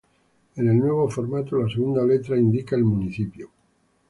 En el nuevo formato la segunda letra indica el municipio.